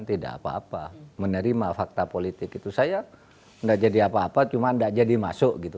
tidak apa apa menerima fakta politik itu saya nggak jadi apa apa cuma tidak jadi masuk gitu